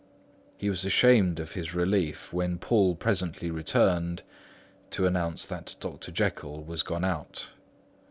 He was ashamed of his relief, when Poole presently returned to announce that Dr. Jekyll was gone out.